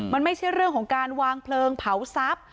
มันไม่ใช่เรื่องของการวางเพลิงเผาทรัพย์